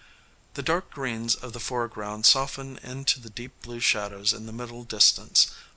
The dark greens of the foreground soften into deep blue shadows in the middle distance.